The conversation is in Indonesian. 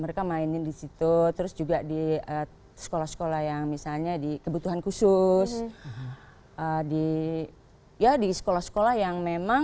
mereka mainin di situ terus juga di sekolah sekolah yang misalnya di kebutuhan khusus di ya di sekolah sekolah yang memang